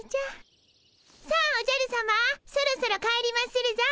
さあおじゃるさまそろそろ帰りまするぞ。